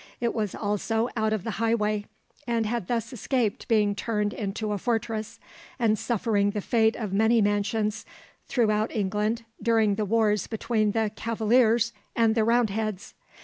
It was also out of the highway, and had thus escaped being turned into a fortress, and suffering the fate of many mansions throughout England during the wars between the "Cavaliers" and the "Roundheads."